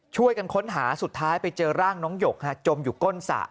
ช่วยกันค้นหาสุดท้ายไปเจอร่างน้องหยกจมอยู่ก้นสระ